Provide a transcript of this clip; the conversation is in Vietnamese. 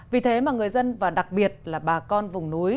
vì thế mà người dân và đặc biệt là bà con vùng núi